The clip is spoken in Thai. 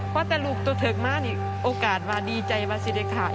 เพราะแต่ลูกตัวเถิกมานี่โอกาสว่าดีใจว่าสิได้ขาย